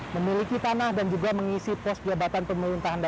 memiliki tanah dan juga mengalami kebanyakan kebanyakan kebanyakan kebanyakan kebanyakan